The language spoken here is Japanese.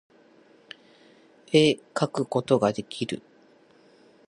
絵描くことができる